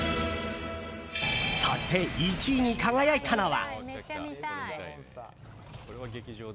そして、１位に輝いたのが。